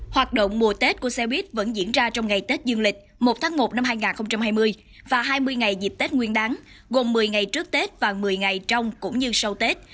hoạt động mùa tết của xe buýt vẫn diễn ra trong ngày tết dương lịch một tháng một năm hai nghìn hai mươi và hai mươi ngày dịp tết nguyên đáng gồm một mươi ngày trước tết và một mươi ngày trong cũng như sau tết